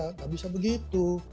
tidak bisa begitu